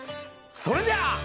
それじゃあ。